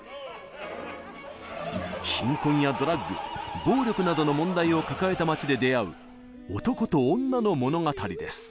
貧困やドラッグ暴力などの問題を抱えた街で出会う男と女の物語です。